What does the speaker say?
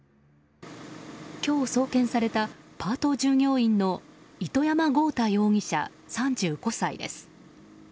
今日送検されたパート従業員の糸山豪太容疑者、３５歳です。